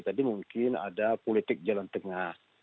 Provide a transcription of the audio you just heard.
tadi mungkin ada politik jalan tengah